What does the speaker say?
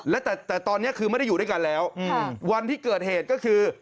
แล้วแต่ตอนนี้คือไม่ได้อยู่ด้วยกันแล้ววันที่เกิดเหตุก็คือ